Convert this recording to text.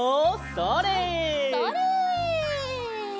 それ！